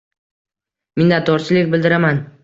Minnadorchilik bildiraman.